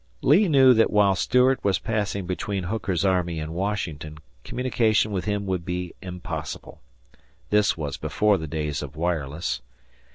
Lee knew that while Stuart was passing between Hooker's army and Washington communication with him would be impossible. This was before the days of wireless!